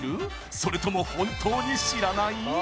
それとも本当に知らない？